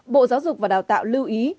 bộ giáo dục và đào tạo lưu ý